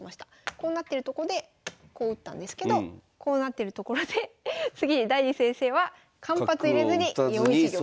こうなってるとこでこう打ったんですけどこうなってるところで次にダニー先生は間髪いれずに４一玉と。